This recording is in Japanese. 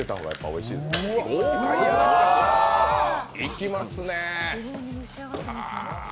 いきますね。